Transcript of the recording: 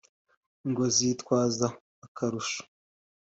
ngo zitwaza akarusho.